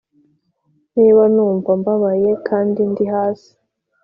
niba numva mbabaye kandi ndi hasi,